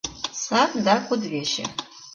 Сад да кудывече.